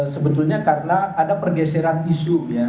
sebetulnya karena ada pergeseran isu ya